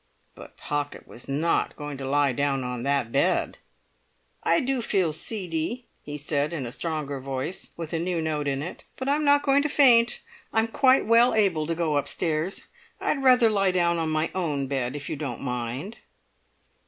But Pocket was not going to lie down on that bed. "I do feel seedy," he said, in a stronger voice with a new note in it, "but I'm not going to faint. I'm quite well able to go upstairs. I'd rather lie down on my own bed, if you don't mind."